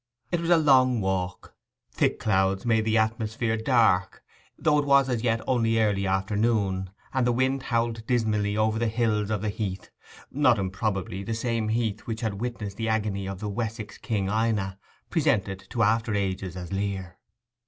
It was a long walk; thick clouds made the atmosphere dark, though it was as yet only early afternoon; and the wind howled dismally over the hills of the heath—not improbably the same heath which had witnessed the agony of the Wessex King Ina, presented to after ages as Lear.